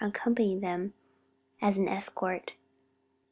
accompanying them as an escort.